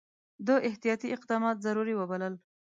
ده احتیاطي اقدامات ضروري وبلل.